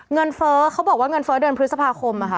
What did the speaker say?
เงินเฟ้อเขาบอกว่าเงินเฟ้อเดือนพฤษภาคม